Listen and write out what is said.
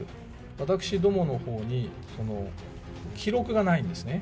私どものほうに、記録がないんですね。